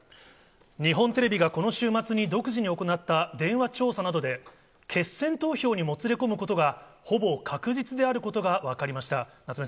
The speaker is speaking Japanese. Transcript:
日本テレビがこの週末に独自に行った電話調査などで、決選投票にもつれ込むことが、ほぼ確実であることが分かりました。